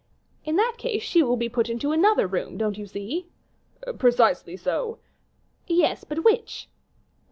"In that case she will be put into another room, don't you see?" "Precisely so." "Yes, but which?"